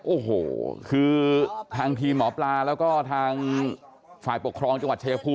โอ้โหคือทางทีมหมอปลาแล้วก็ทางฝ่ายปกครองจังหวัดชายภูมิ